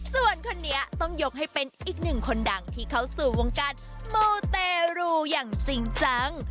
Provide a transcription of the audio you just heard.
ส่วนคนนี้ต้องยกให้เป็นอีกหนึ่งคนดังที่เข้าสู่วงการมูเตรูอย่างจริงจัง